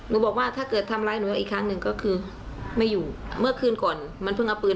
พุทธศาลยืนติม